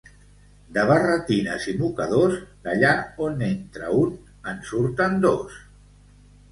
De barretines i mocadors, d'allà on n'entra un en surten dos.